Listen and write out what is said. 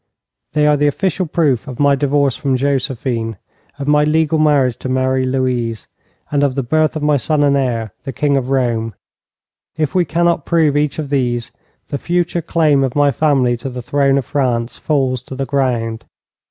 They are the official proof of my divorce from Josephine, of my legal marriage to Marie Louise, and of the birth of my son and heir, the King of Rome. If we cannot prove each of these, the future claim of my family to the throne of France falls to the ground.